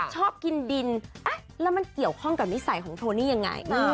ชอบกินดินแล้วมันเกี่ยวข้องกับนิสัยของโทนี่ยังไง